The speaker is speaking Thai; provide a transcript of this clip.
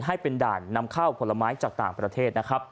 ให้เป็นด่านนำเข้าผลไม้จากต่างประเทศนะครับ